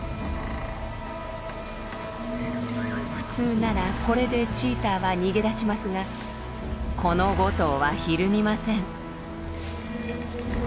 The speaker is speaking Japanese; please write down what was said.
普通ならこれでチーターは逃げ出しますがこの５頭はひるみません。